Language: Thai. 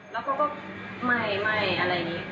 แล้วก็ไม่อะไรนี้